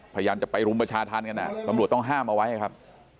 พยายามจะไปรุมประชาธรรมกันตำรวจต้องห้ามเอาไว้ครับ